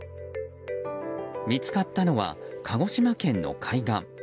見つかったのは鹿児島県の海岸。